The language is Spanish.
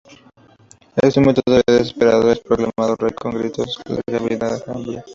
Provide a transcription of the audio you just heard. Este último, todavía desesperado, es proclamado rey con gritos de "¡Larga vida a Hamlet!